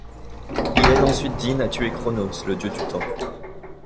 Il aide ensuite Dean à tuer Cronos, le dieu du temps.